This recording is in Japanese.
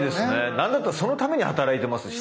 何だったらそのために働いてますし。